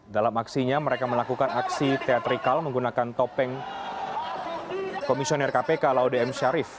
dalam aksinya mereka melakukan aksi teatrikal menggunakan topeng komisioner kpk laude m syarif